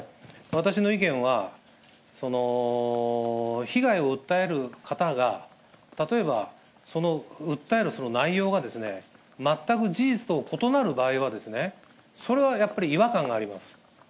私の意見は、被害を訴える方が、例えばその訴える内容がですね、全く事実と異なる場合は、それはやっぱり違和感があります。